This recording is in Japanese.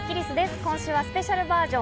今週はスペシャルバージョン。